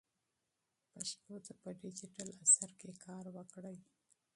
پښتو ته په ډیجیټل عصر کې کار وکړئ.